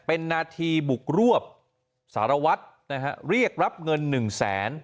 เป็นนาธีบุกรวบสารวัตรเรียกรับเงินหนึ่งแสน